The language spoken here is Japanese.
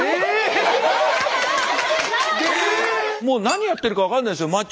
もう何やってるか分かんないですよ